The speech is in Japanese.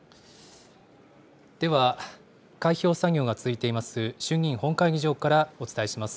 では、開票作業が続いています衆議院本会議場からお伝えします。